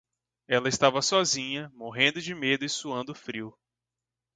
Ela estava sozinha, morrendo de medo e suando frio.